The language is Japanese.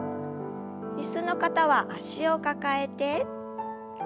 椅子の方は脚を抱えて。